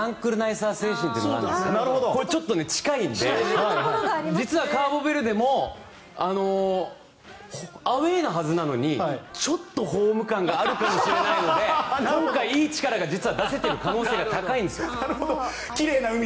さー精神があるんでこれ、ちょっと近いんで実はカーボベルデもアウェーなはずなのにちょっとホーム感があるかもしれないので今回、いい力が実は出せている可能性が高いんです。